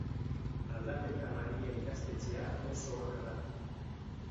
Aldapeta Maria Ikastetxea oso ona da.